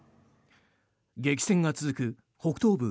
激戦が続く北東部